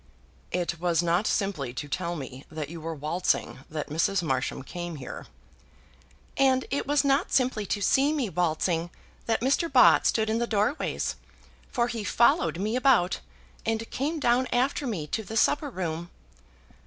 "It was not simply to tell me that you were waltzing that Mrs. Marsham came here." "And it was not simply to see me waltzing that Mr. Bott stood in the doorways, for he followed me about, and came down after me to the supper room."